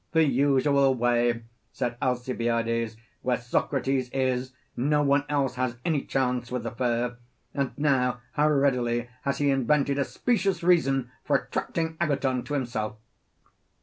The usual way, said Alcibiades; where Socrates is, no one else has any chance with the fair; and now how readily has he invented a specious reason for attracting Agathon to himself.